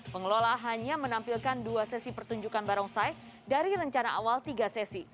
pengelola hanya menampilkan dua sesi pertunjukan barongsai dari rencana awal tiga sesi